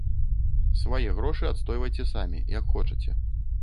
Свае грошы адстойвайце самі, як хочаце.